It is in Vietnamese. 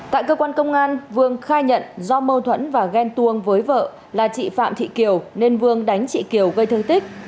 tại cơ quan công an vương khai nhận do mâu thuẫn và ghen tuông với vợ là chị phạm thị kiều nên vương đánh chị kiều gây thương tích